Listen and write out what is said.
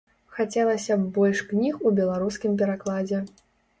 Хацелася б больш кніг у беларускім перакладзе.